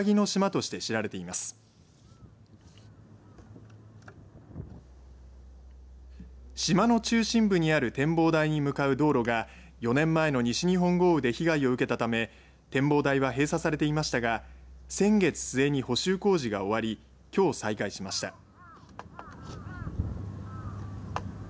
島の中心部にある展望台に向かう道路が４年前の西日本豪雨で被害を受けたため展望台は閉鎖されていましたが先月末に補修工事が終わりきょう、再開しました。